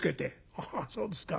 ああそうですか。